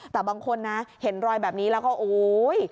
แต่บางคนนะเห็นรอยแบบนี้แล้วก็โอ๊ย